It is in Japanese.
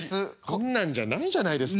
こんなんじゃないじゃないですか。